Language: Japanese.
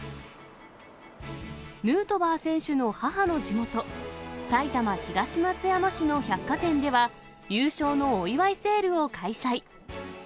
ヌートバー選手の母の地元、埼玉・東松山市の百貨店では、優勝のお祝いセールを開催。